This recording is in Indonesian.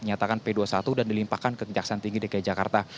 menyatakan p dua puluh satu dan dilimpahkan ke kejaksaan tinggi dki jakarta